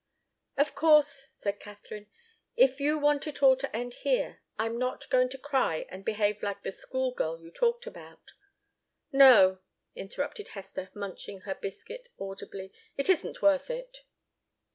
"Of course," said Katharine, "if you want it all to end here, I'm not going to cry and behave like the schoolgirl you talked about " "No," interrupted Hester, munching her biscuit audibly; "it isn't worth it."